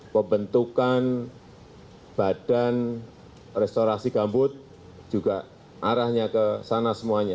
pembentukan badan restorasi gambut juga arahnya ke sana semuanya